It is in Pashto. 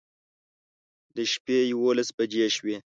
د شپې يوولس بجې شوې